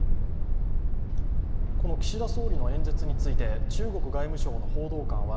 この岸田総理の演説について中国外務省の報道官は、